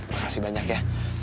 makasih banyak ya